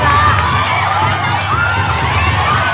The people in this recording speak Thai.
สวัสดีค่ะ